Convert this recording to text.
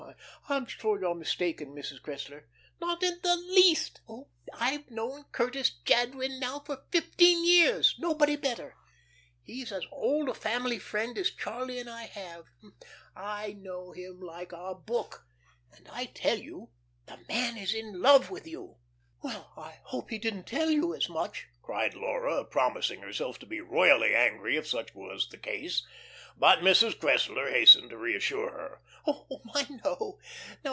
"Oh, I'm sure you're mistaken, Mrs. Cressler." "Not in the least. I've known Curtis Jadwin now for fifteen years nobody better. He's as old a family friend as Charlie and I have. I know him like a book. And I tell you the man is in love with you." "Well, I hope he didn't tell you as much," cried Laura, promising herself to be royally angry if such was the case. But Mrs. Cressler hastened to reassure her. "Oh my, no.